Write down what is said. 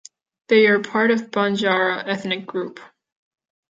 They are part of Banjara ethnic group.